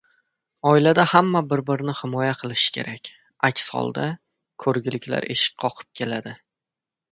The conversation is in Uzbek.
Oilada hamma bir-birini himoya qilishi kerak, aks holda, ko‘rgiliklar eshik qoqib keladi.